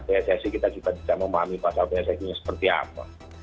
dari sac kita juga tidak memahami pasal dhsg seperti apa